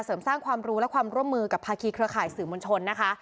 เสริมสร้างความรู้และความร่วมมือกับภาคีเครือข่ายสื่อมวลชนนะคะ